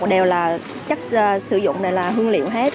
đều là chất sử dụng này là hương liệu hết